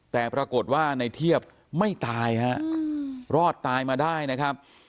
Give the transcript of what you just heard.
แต่ปรากฏว่าในเทียบไม่ตายฮะรอดตายมาได้นะครับ